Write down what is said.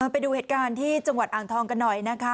ไปดูเหตุการณ์ที่จังหวัดอ่างทองกันหน่อยนะคะ